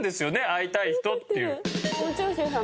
会いたい人っていう。